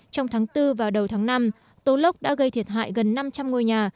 trong tháng bốn và đầu tháng năm tố lốc đã gây thiệt hại gần năm trăm linh ngôi nhà